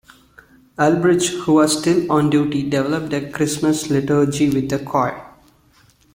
Ulbrich, who was still on duty, developed a Christmas liturgy with the choir.